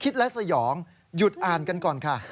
และสยองหยุดอ่านกันก่อนค่ะ